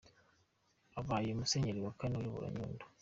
Abaye umusenyeri wa kane uyoboye Nyundo.